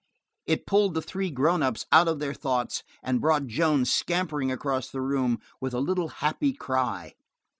It pulled the three grown ups out of their thoughts; it brought Joan scampering across the room with a little happy cry.